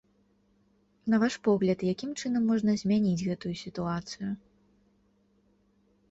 На ваш погляд, якім чынам можна змяніць гэтую сітуацыю?